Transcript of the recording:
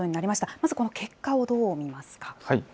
まず、この結果をどう見ますか。